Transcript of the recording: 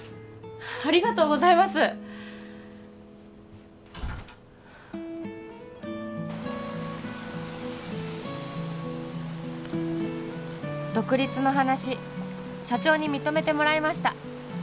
ありがとうございます「独立の話社長に認めてもらえました！」